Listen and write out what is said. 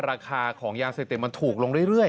ราคาของยาเสพติดมันถูกลงเรื่อย